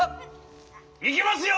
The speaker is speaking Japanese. いきますよ。